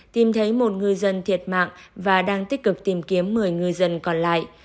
tìm thấy một người dân thiệt mạng và đang tích cực tìm kiếm một mươi người dân còn lại